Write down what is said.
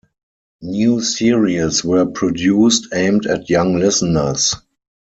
New series were produced, aimed at young listeners.